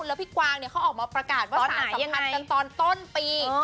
แล้วพี่กวางเนี่ยเขาออกมาประกาศว่าสารสัมพันธ์กันตอนต้นปี